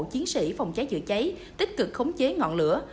chiến sĩ phòng cháy chữa cháy tích cực khống chế ngọn lửa